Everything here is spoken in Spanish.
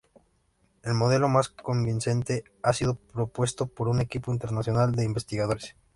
El modelo más convincente ha sido propuesto por un equipo internacional de investigadores.